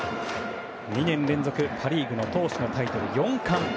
２年連続パ・リーグの投手のタイトル４冠。